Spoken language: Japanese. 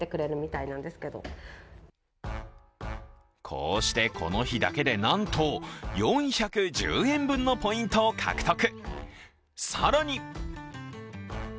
こうして、この日だけでなんと４１０円分のポイントを獲得。